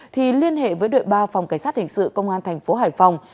thì liên hệ với đội ba phòng cảnh sát hình sự công an tp hcm